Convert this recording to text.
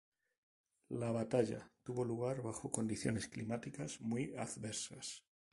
La batalla tuvo lugar bajo condiciones climáticas muy adversas.